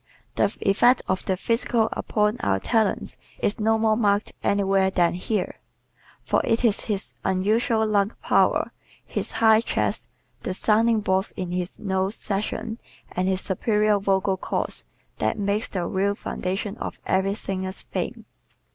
The effect of the physical upon our talents is no more marked anywhere than here. For it is his unusual lung power, his high chest, the sounding boards in his nose section and his superior vocal cords that make the real foundation of every singer's fame.